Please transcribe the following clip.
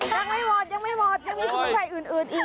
ยังไม่หมดยังไม่หมดยังมีคนไทยอื่นอีก